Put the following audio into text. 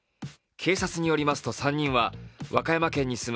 警察によりますと３人は和歌山県に住む